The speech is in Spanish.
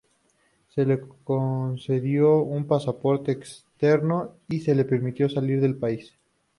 Se le concedió un pasaporte externo y se le permitió salir del país.